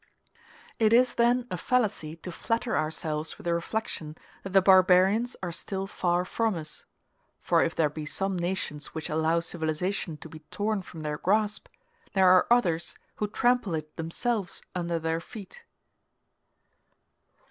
It is then a fallacy to flatter ourselves with the reflection that the barbarians are still far from us; for if there be some nations which allow civilization to be torn from their grasp, there are others who trample it themselves under their feet.